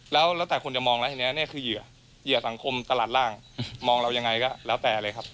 แล้วแต่คนจะมองแล้วทีนี้เนี่ยคือเหยื่อเหยื่อสังคมตลาดร่างมองเรายังไงก็แล้วแต่เลยครับ